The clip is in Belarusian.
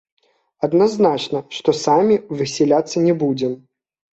Адназначна, што самі высяляцца не будзем.